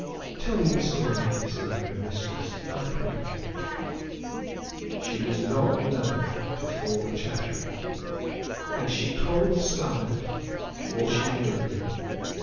"Tell me the story of this murder, mistress, I pray you." She was not loth to fall a chattering, and she told Scarlett all she knew of it.